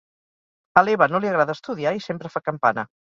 A l'Eva no li agrada estudiar i sempre fa campana: